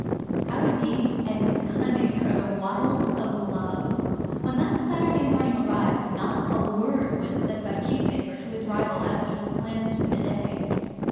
How deep and cunning are the wiles of love! When that Saturday morning arrived not a word was said by Cheesacre to his rival as to his plans for the day.